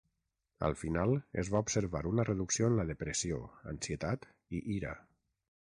Al final, es va observar una reducció en la depressió, ansietat i ira.